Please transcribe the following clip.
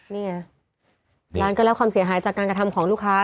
นี่ไงร้านก็รับความเสียหายจากการกระทำของลูกค้า